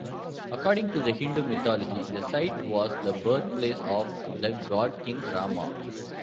According to Hindu mythology, the site was the birthplace of the God-king Rama.